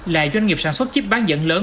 lại doanh nghiệp sản xuất chip bán dẫn lớn